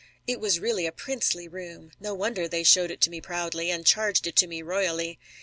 It was really a princely room. No wonder they showed it to me proudly, and charged it to me royally.